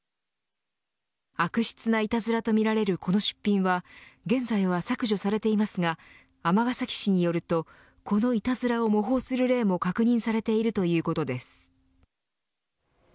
悪質ないたずらとみられるこの出品は現在は削除されていますが尼崎市によるとこのいたずらを模倣する例も確認されているということです。